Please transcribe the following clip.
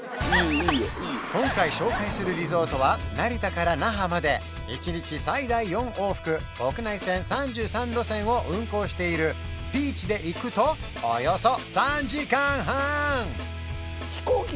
今回紹介するリゾートは成田から那覇まで１日最大４往復国内線３３路線を運航しているピーチで行くとおよそ３時間半！